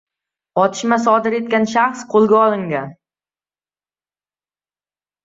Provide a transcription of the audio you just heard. Otishma sodir etgan shaxs qo‘lga olingan